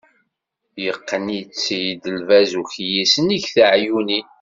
Yeqqen-itt-id lbaz ukyis, nnig teɛyunin.